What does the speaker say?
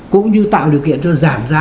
cũng như tạo điều kiện cho giảm giá